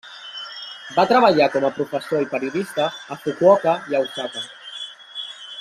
Va treballar com a professor i periodista a Fukuoka i a Osaka.